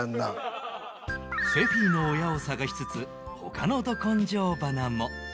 セフィの親を探しつつ他のど根性花も